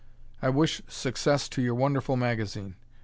I wish success to your wonderful magazine.